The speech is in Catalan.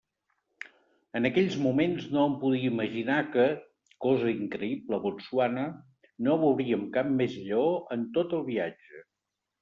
En aquells moments no em podia imaginar que, cosa increïble a Botswana, no veuríem cap més lleó en tot el viatge.